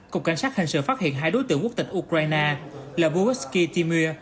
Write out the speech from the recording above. cục cảnh sát hình sự phát hiện hai đối tượng quốc tịch ukraine là vujovsky timur